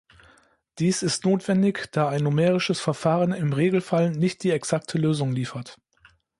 Dies ist notwendig, da ein numerisches Verfahren im Regelfall nicht die exakte Lösung liefert.